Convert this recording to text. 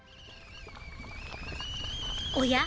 おや？